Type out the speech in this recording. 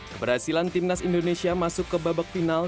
keberhasilan timnas indonesia masuk ke babak final